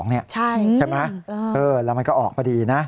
ใช่ไหมแล้วมันก็ออกพอดีนะ